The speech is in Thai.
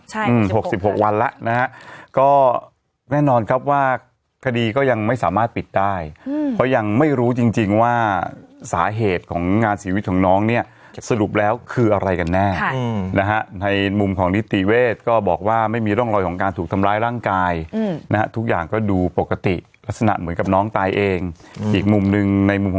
ใช่หกสิบหกวันแล้วนะฮะก็แน่นอนครับว่าคดีก็ยังไม่สามารถปิดได้อืมเพราะยังไม่รู้จริงจริงว่าสาเหตุของงานชีวิตของน้องเนี่ยสรุปแล้วคืออะไรกันแน่อืมนะฮะในมุมของนิติเวทก็บอกว่าไม่มีร่องรอยของการถูกทำร้ายร่างกายอืมนะฮะทุกอย่างก็ดูปกติลักษณะเหมือนกับน้องตายเองอีกมุมหนึ่งในมุม